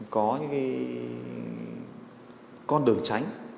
có những cái con đường tránh